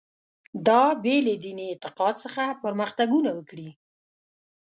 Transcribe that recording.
دا بې له دیني اعتقاد څخه پرمختګونه وکړي.